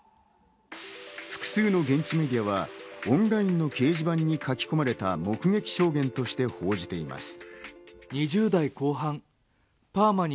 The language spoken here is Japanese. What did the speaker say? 複数の現地メディアはオンラインの掲示板に書き込まれた目撃証言として報じています。